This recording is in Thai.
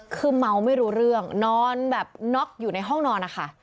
คือเมาไม่รู้เรื่องนอนแบบน็อกอยู่ในห้องนอนนะคะ